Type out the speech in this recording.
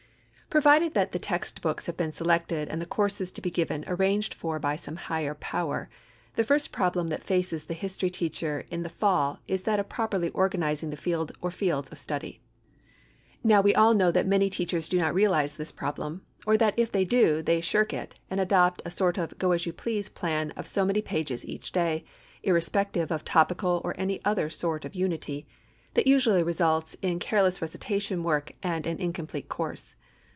Provided that the text books have been selected and the courses to be given arranged for by some higher power, the first problem that faces the history teacher in the fall is that of properly organizing the field or fields of study. Now we all know that many teachers do not realize this problem or that if they do they shirk it and adopt a sort of go as you please plan of so many pages each day, irrespective of topical or any other sort of unity, that usually results in careless recitation work and an incomplete course.